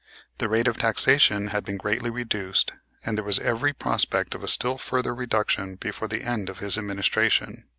The rate of taxation had been greatly reduced, and there was every prospect of a still further reduction before the end of his administration.